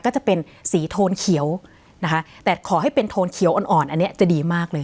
ก็จะเป็นสีโทนเขียวนะคะแต่ขอให้เป็นโทนเขียวอ่อนอ่อนอันนี้จะดีมากเลย